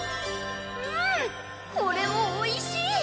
んこれもおいしい。